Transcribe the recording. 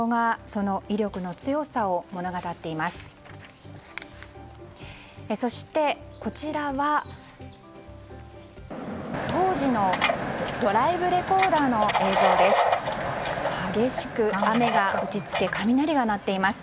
そして、こちらは当時のドライブレコーダーの映像です。